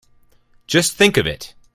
Just think of it!